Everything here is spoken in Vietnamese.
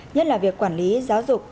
nhất là việc quản lý giáo dục